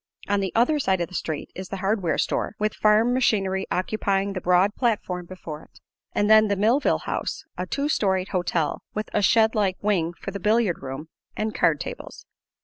On the other side of the street is the hardware store, with farm machinery occupying the broad platform before it, and then the Millville House, a two storied "hotel" with a shed like wing for the billiard room and card tables.